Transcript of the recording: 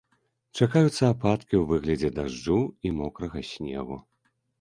Чакаюцца ападкі ў выглядзе дажджу і мокрага снегу.